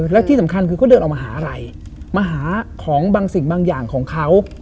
แล้วที่สำคัญคือเขาเดินออกมาหาอะไรมาหาของบางสิ่งบางอย่างของเขา